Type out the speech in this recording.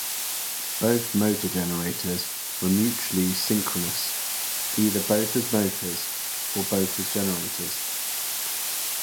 Both motor-generators are mutually synchronous, either both as motors, or both as generators.